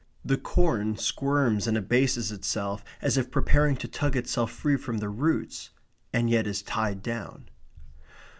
The corn squirms and abases itself as if preparing to tug itself free from the roots, and yet is tied down.